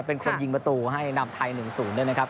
เป็นคนยิงประตูให้นำไทย๑๐ด้วยนะครับ